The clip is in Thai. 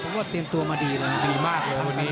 ผมว่าสมัยเตียงตัวมาดีมาก